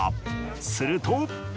すると。